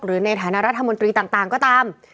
ในฐานะรัฐมนตรีต่างก็ตาม